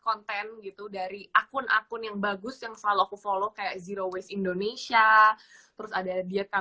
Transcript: konten gitu dari akun akun yang bagus yang selalu aku follow kayak zero waste indonesia terus ada diet